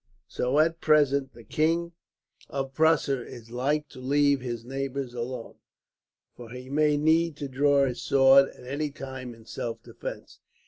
So at present the King of Prussia is like to leave his neighbours alone; for he may need to draw his sword, at any time, in self defence."